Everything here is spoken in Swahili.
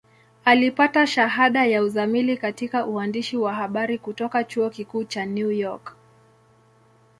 Alipata shahada ya uzamili katika uandishi wa habari kutoka Chuo Kikuu cha New York.